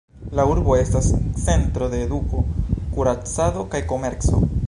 La urbo estas centro de eduko, kuracado kaj komerco.